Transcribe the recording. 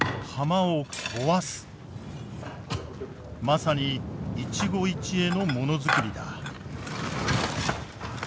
まさに一期一会のものづくりだ。